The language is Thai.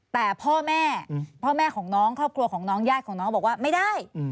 แต่พ่อแม่พ่อแม่ของน้องครอบครัวของน้องญาติของน้องบอกว่าไม่ได้